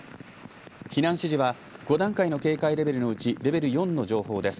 避難指示は５段階の警戒レベルのうちレベル４の情報です。